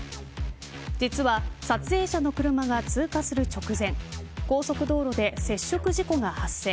実は撮影者の車が通過する直前高速道路で接触事故が発生。